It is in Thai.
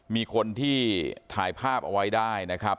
มีคนที่ถ่ายภาพเอาไว้ได้นะครับ